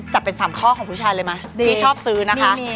จับเป็น๓ข้อของผู้ชายเลยไหมที่ชอบซื้อนะคะ